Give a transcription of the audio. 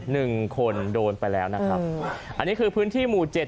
หนึ่งคนโดนไปแล้วนะครับอันนี้คือพื้นที่หมู่เจ็ด